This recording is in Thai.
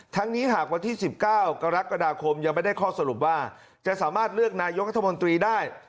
นี้หากวันที่๑๙กรกฎาคมยังไม่ได้ข้อสรุปว่าจะสามารถเลือกนายกรัฐมนตรีได้